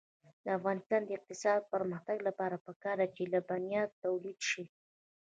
د افغانستان د اقتصادي پرمختګ لپاره پکار ده چې لبنیات تولید شي.